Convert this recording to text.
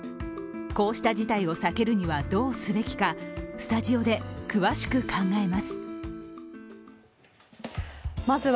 こうした事態を避けるためにはどうすべきかスタジオで詳しく考えます。